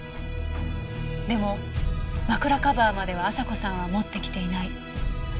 でも枕カバーまでは亜沙子さんは持ってきていない。